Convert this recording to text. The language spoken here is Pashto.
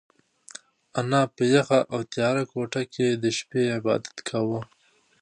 انا په یخه او تیاره کوټه کې د شپې عبادت کاوه.